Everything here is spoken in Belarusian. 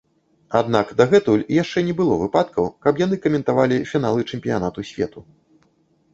Аднак дагэтуль яшчэ не было выпадкаў, каб яны каментавалі фіналы чэмпіянату свету.